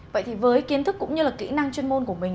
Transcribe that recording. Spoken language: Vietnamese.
vậy thì với kiến thức cũng như là kỹ năng chuyên môn của mình